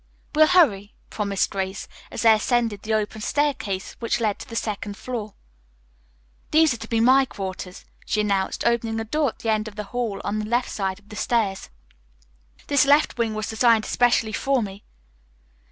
"We'll hurry," promised Grace, as they ascended the open staircase which led to the second floor. "These are to be my quarters," she announced, opening a door at the end of the hall on the left side of the stairs. "This left wing was designed especially for me.